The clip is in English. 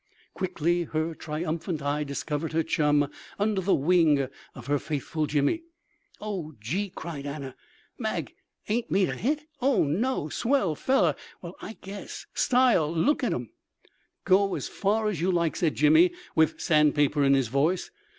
Quickly her triumphant eye discovered her chum under the wing of her faithful Jimmy. "Oh, gee!" cried Anna, "Mag ain't made a hit—oh, no! Swell fellow? well, I guess! Style? Look at 'um." "Go as far as you like," said Jimmy, with sandpaper in his voice.